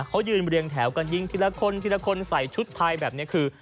เขายืนเรียงแถวกันยิงทีละคนทีละคนใส่ชุดไทยแบบนี้คือ